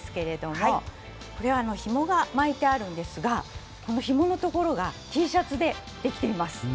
これは、ひもが巻いてあるんですがこのひものところがＴシャツでできています。